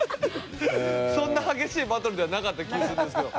そんな激しいバトルではなかった気ぃするんですけど。